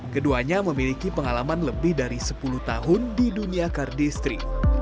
keduanya memiliki pengalaman lebih dari sepuluh tahun di dunia cardistry